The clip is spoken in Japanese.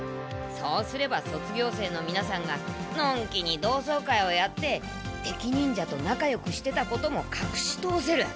そうすれば卒業生のみなさんがのんきに同窓会をやって敵忍者となかよくしてたこともかくし通せる！